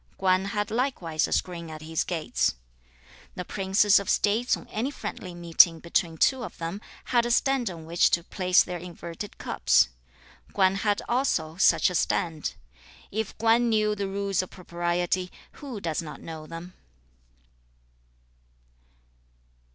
Kwan had likewise a screen at his gate. The princes of States on any friendly meeting between two of them, had a stand on which to place their inverted cups. Kwan had also such a stand. If Kwan knew the rules of propriety, who does not know them?'